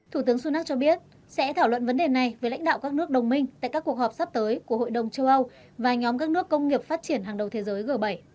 thủ tướng sunak cho biết sẽ thảo luận vấn đề này với lãnh đạo các nước đồng minh tại các cuộc họp sắp tới của hội đồng châu âu và nhóm các nước công nghiệp phát triển hàng đầu thế giới g bảy